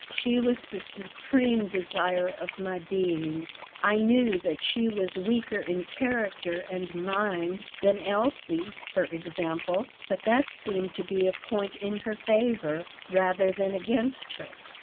She was the supreme desire of my being. I knew that she was weaker in character and mind than Elsie, for example, but that seemed to be a point in her favor rather than against her.